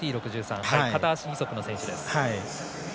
片足義足の選手です。